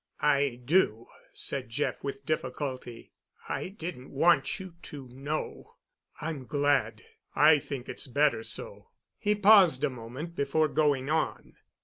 "I do," said Jeff, with difficulty. "I didn't want you to know——" "I'm glad. I think it's better so." He paused a moment before going on.